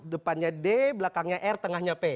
depannya d belakangnya r tengahnya p